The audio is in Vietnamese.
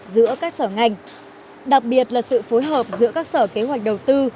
giữa các sở ngành đặc biệt là sự phối hợp giữa các sở kế hoạch đầu tư